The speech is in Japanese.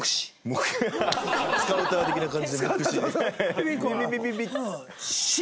スカウター的な感じで目視？